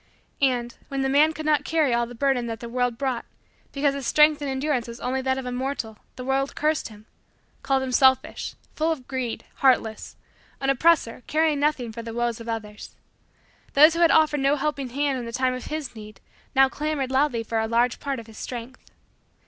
And, when the man could not carry all the burdens that the world brought because his strength and endurance was only that of a mortal, the world cursed him called him selfish, full of greed, heartless, an oppressor caring nothing for the woes of others. Those who had offered no helping hand in the time of his need now clamored loudly for a large part of his strength.